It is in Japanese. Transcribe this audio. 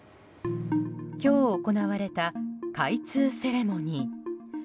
今日行われた開通セレモニー。